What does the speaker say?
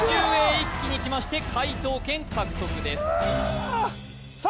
一気にきまして解答権獲得ですさあ